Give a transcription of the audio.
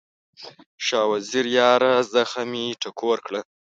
شاه وزیره یاره، زخم مې ټکور کړه